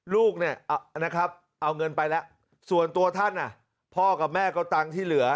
ลูกเอาเงินไปแล้วส่วนตัวท่านพ่อกับแม่ก็ตังค์ที่เหลือ